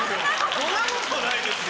そんなことないですよ。